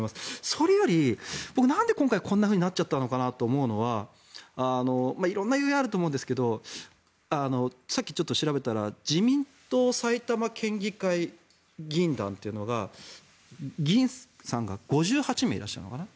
それより、僕はなんで今回こんなふうになっちゃったのかなと思うのは色んな理由があると思いますがさっきちょっと調べたら自民党埼玉県議会議員団というのが議員さんが５８名いらっしゃるのかな？